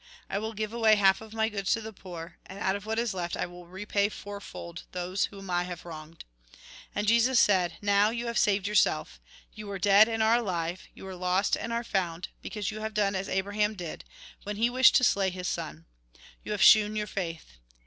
I will give away half of my goods to the poor, and out of what is left I will repay fourfold those whom I have wronged." And Jesus said :" Now you have saved yourself. You were dead, and are alive ; you were lost, and are found ; because you have done as Abraham did, when he wished to slay his son ; you have shewn your faith.